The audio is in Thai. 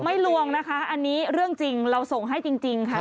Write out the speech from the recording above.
ไม่ลวงนะคะอันนี้เรื่องจริงเราส่งให้จริงค่ะ